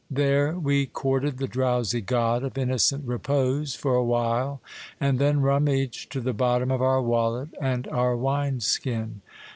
There we courted the drowsy god of innocent repose for a while, and then rummaged to the bottom of our wallet and our wine skin.